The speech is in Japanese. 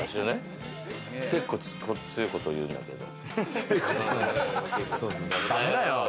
結構強いこと言うんだけど。